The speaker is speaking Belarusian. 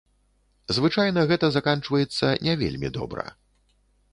Звычайна гэта заканчваецца не вельмі добра.